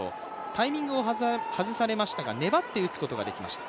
タイミングを外されましたが粘って打つことができました。